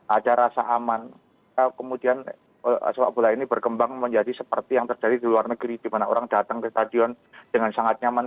ada rasa aman kemudian sepak bola ini berkembang menjadi seperti yang terjadi di luar negeri di mana orang datang ke stadion dengan sangat nyaman